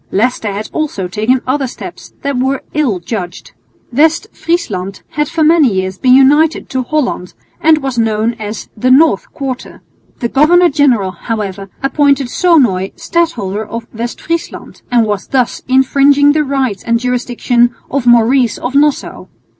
Leicester had also taken other steps that were ill judged. West Friesland had for many years been united to Holland and was known as the North Quarter. The governor general, however, appointed Sonoy Stadholder of West Friesland, and was thus infringing the rights and jurisdiction of Maurice of Nassau.